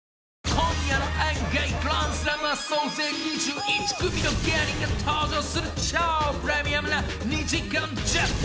［今夜の『ＥＮＧＥＩグランドスラム』は総勢２１組の芸人が登場する超プレミアムな２時間１０分］